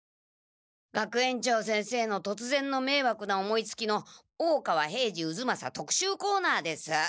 学園長先生のとつぜんのめいわくな思いつきの大川平次渦正特集コーナーです。